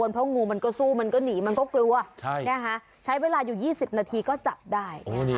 เพราะงูมันก็สู้มันก็หนีมันก็กลัวใช้เวลาอยู่๒๐นาทีก็จับได้